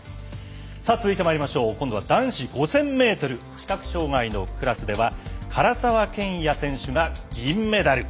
続いてまいりましょう。今度は男子５０００ｍ視覚障がいのクラスでは唐澤剣也選手は銀メダル。